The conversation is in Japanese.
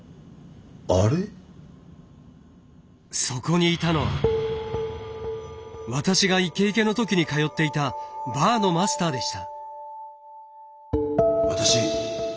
そこにいたのは私がイケイケの時に通っていたバーのマスターでした。